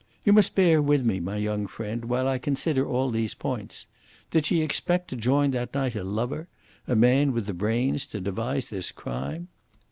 "You must bear with me, my young friend, while I consider all these points. Did she expect to join that night a lover a man with the brains to devise this crime?